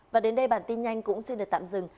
và đến đây bản tin nhanh cũng xin được tạm dừng